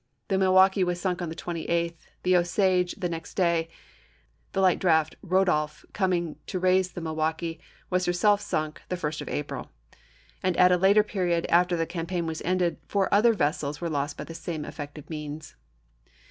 The Milwaukee was sunk on the 28th, the Osage the next day ; the light draft Bodolph, coming to raise the Milwaukee, was herself sunk the 1st of April ; and at a later period, after the campaign was ended, four other vessels were lost by the same effective means.